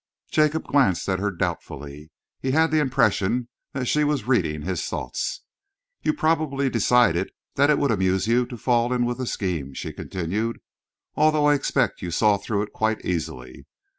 Jacob glanced at her doubtfully. He had the impression that she was reading his thoughts. "You probably decided that it would amuse you to fall in with the scheme," she continued, "although I expect you saw through it quite easily.